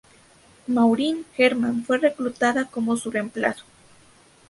Maureen Herman fue reclutada como su reemplazo.